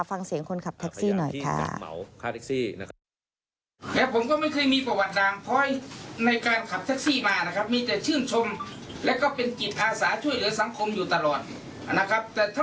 ฟังเสียงคนขับแท็กซี่หน่อยค่ะ